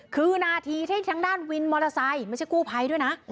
คือนาทีที่ทางด้านวินมอเตอร์ไซค์ไม่ใช่กู้ภัยด้วยนะ